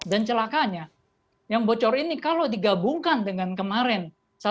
dan celakanya yang bocor ini kalau digabungkan dengan kemarin